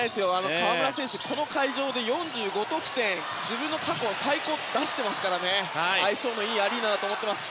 河村選手はこの会場で４５得点、自分の過去最高を出していますからね相性のいいアリーナだと思っています。